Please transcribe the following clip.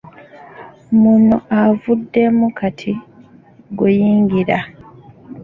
Munno avuddemu kati ggwe yingira.